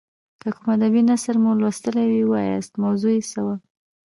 که کوم ادبي نثر مو لوستی وي ووایاست موضوع یې څه وه.